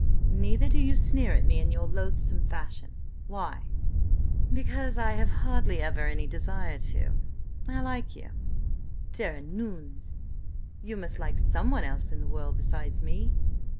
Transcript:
"Neither do you sneer at me in your loathsome fashion. Why?" "Because I have hardly ever any desire to. I like you." "Tare an' ouns! you must like someone else in the world besides me?"